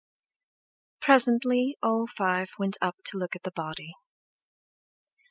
Presently all five went up to look at the body.